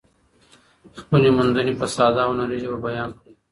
خپلې موندنې په ساده او هنري ژبه بیان کړئ.